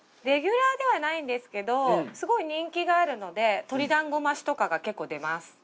レギュラーではないんですけどすごい人気があるので鶏団子増しとかが結構出ます。